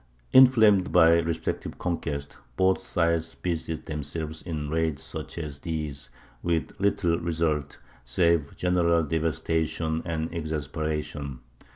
Inflamed by their respective conquests, both sides busied themselves in raids such as these, with little result, save general devastation and exasperation.